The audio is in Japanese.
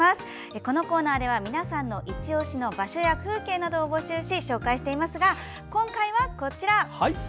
このコーナーでは皆さんのイチオシの場所や風景など募集し紹介していますが今回は、こちら。